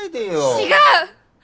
違う！